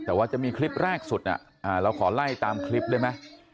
แต่ว่าจะมีคลิปแรกสุดเราขอไล่ตามคลิปได้ไหม